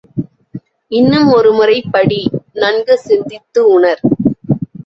இன்னும் ஒருமுறை படி, நன்கு சிந்தித்து உணர்.